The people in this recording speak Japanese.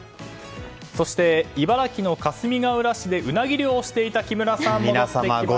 そして茨城のかすみがうら市でウナギ漁をしていた木村さん戻ってきました。